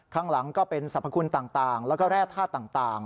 ข้างหลังก็เป็นสรรพคุณต่างแล้วก็แร่ธาตุต่าง